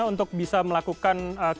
untuk bisa melakukan